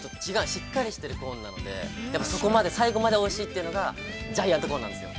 しっかりしてるコーンなので、最後までおいしいというのが、ジャイアントコーンなんですよ。